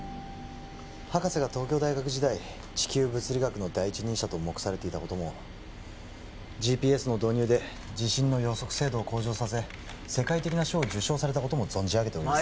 博士が東京大学時代地球物理学の第一人者と目されていたこともＧＰＳの導入で地震の予測精度を向上させ世界的な賞を受賞されたことも存じ上げております